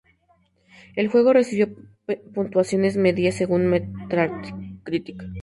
El juego recibió "puntuaciones" medias según Metacritic.